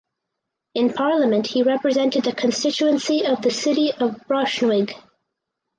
In parliament he represented the constituency of the city of Braunschweig.